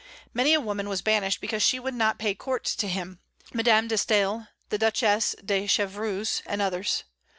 Many a woman was banished because she would not pay court to him, Madame de Staël, the Duchesse de Chevreuse, and others.